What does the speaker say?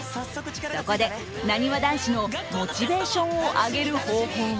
そこでなにわ男子のモチベーションを上げる方法は？